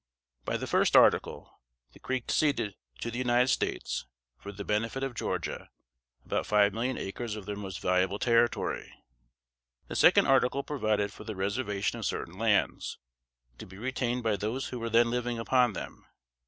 By the first article, the Creeks ceded to the United States, for the benefit of Georgia, about five million acres of their most valuable territory. The second article provided for the reservation of certain lands, to be retained by those who were then living upon them.